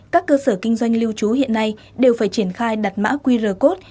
các cơ sở kinh doanh lưu trú hiện nay đều phải triển khai đặt mã qr code